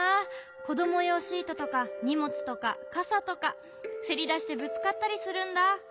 こどもようシートとかにもつとかかさとか。せりだしてぶつかったりするんだ。